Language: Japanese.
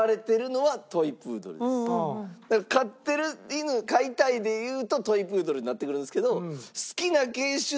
飼ってる犬飼いたいでいうとトイ・プードルになってくるんですけど。